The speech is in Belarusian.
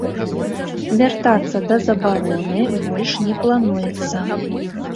Вяртацца да забароны больш не плануецца.